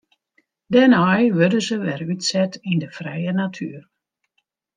Dêrnei wurde se wer útset yn de frije natuer.